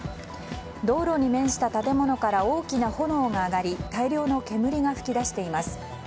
道路に面した建物から大きな炎が上がり大量の煙が噴き出しています。